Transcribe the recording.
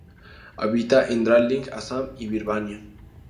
Habita en Darjeeling, Assam y Birmania.